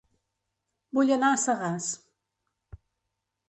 Vull anar a Sagàs